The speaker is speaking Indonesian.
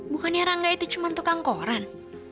bukannya rangga itu cuma tukang koran